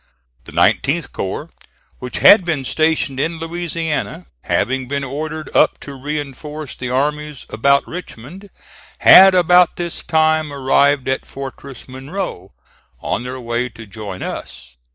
The 19th corps, which had been stationed in Louisiana, having been ordered up to reinforce the armies about Richmond, had about this time arrived at Fortress Monroe, on their way to join us.